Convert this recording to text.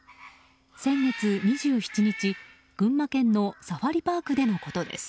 先月２７日、群馬県のサファリパークでのことです。